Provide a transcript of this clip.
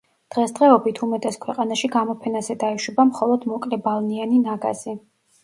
დღესდღეობით უმეტეს ქვეყანაში გამოფენაზე დაიშვება მხოლოდ მოკლებალნიანი ნაგაზი.